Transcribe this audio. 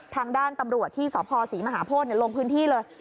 ทางด้านตำรวจที่สพศรีมหาโพธิลงพื้นที่เลย